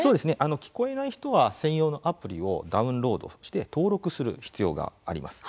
聞こえない人は専用のアプリをダウンロードして登録する必要があります。